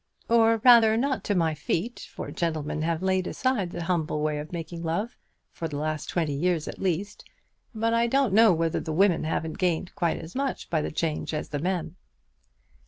"Or rather not to my feet, for gentlemen have laid aside the humble way of making love for the last twenty years at least; but I don't know whether the women haven't gained quite as much by the change as the men."